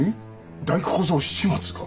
大工小僧七松が。